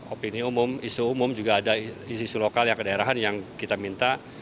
opini umum isu umum juga ada isu isu lokal yang kedaerahan yang kita minta